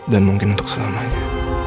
dan mungkin untuk selamanya